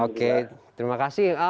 oke terima kasih